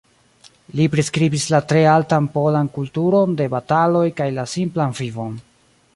Li priskribis la tre altan polan kulturon de bataloj kaj la simplan vivon.